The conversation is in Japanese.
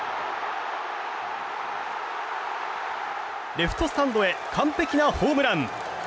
レフトスタンドへ完璧なホームラン。